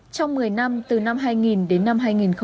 trong một mươi năm từ năm hai nghìn đến năm hai nghìn một mươi bảy